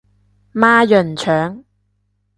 孖膶腸